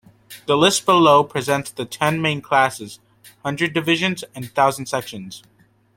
The list below presents the ten main classes, hundred divisions, and thousand sections.